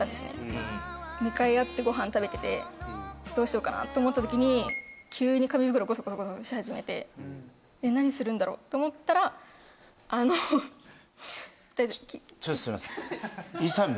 うん向かい合ってご飯食べててどうしようかなと思ったときに急に紙袋ゴソゴソゴソゴソし始めて何するんだろうと思ったらあのちょっとすいません